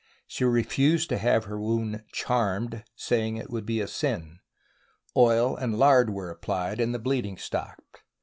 She refused to have her wound " charmed," saying it would be a sin. Oil and lard were applied, and the bleeding stopped.